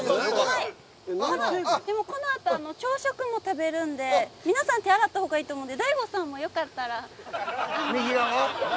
でもこのあと朝食も食べるので皆さん、手洗ったほうがいいと思うので大悟さんもよかったら。